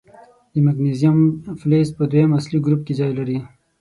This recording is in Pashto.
د مګنیزیم فلز په دویم اصلي ګروپ کې ځای لري.